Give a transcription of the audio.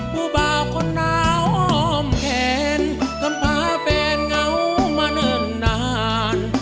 ผู้เบาคนหนาวออมแขนกำพาแฟนเหงามานาน